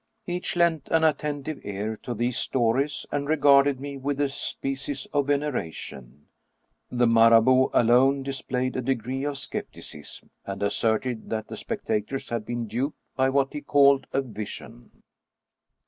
Each lent an attentive ear to these stories, and regarded me with a species of veneration ; the Marabout alone dis played a degree of skepticism, and asserted that the spec tators had been duped by what he called a vision.